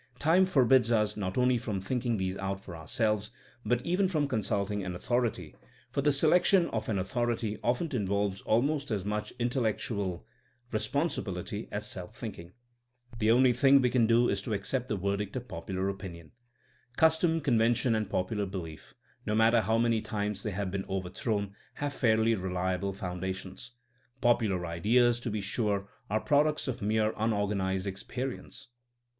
Time forbids us not only from thinking these out for ourselves, but even from consulting an authority — for the selection of an authority often involves almost as much intellectual re 236 THINKINa AS A 80IEN0E sponsibility as self thinking. The only thing we can do is to accept the verdict of popular opinion. Custom^ convention and popular belief, no matter how many times they have been over thrown, have fairly reliable foundations. Popu lar ideas, to be sure, are products of mere unor ganized experience.